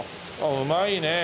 うまいねえ。